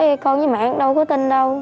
rồi con với mẹ đâu có tin đâu